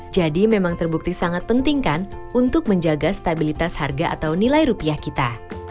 jadi memang terbukti sangat penting kan untuk menjaga stabilitas harga atau nilai rupiah kita